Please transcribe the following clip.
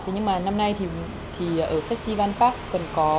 nhưng mà năm nay thì ở festival pass còn có